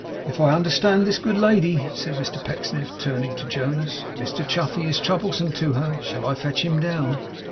'If I understand this good lady,' said Mr Pecksniff, turning to Jonas, 'Mr Chuffey is troublesome to her. Shall I fetch him down?